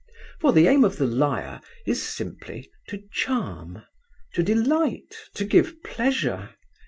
For the aim of the liar is simply to charm, to delight, to give pleasure.